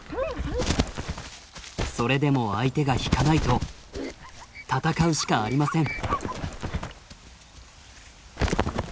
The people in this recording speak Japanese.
それでも相手が引かないと戦うしかありません。